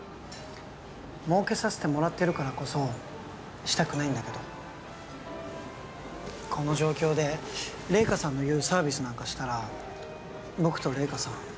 もうけさせてもらってるからこそしたくないんだけどこの状況で怜華さんの言うサービスなんかしたら僕と怜華さん